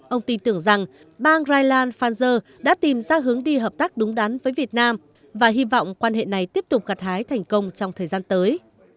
ông tin tưởng rằng bang rhland pfer đã tìm ra hướng đi hợp tác đúng đắn với việt nam và hy vọng quan hệ này tiếp tục gặt hái thành công trong thời gian tới